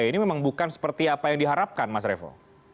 ini memang bukan seperti apa yang diharapkan mas revo